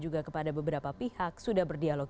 juga kepada beberapa pihak sudah berdialog